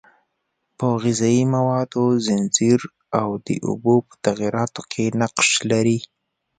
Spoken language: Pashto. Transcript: په غذایي موادو ځنځیر او د اوبو په تغییراتو کې نقش لري.